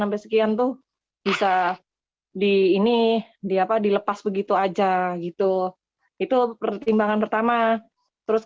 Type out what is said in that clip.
sampai sekian tuh bisa di ini diapa dilepas begitu aja gitu itu pertimbangan pertama terus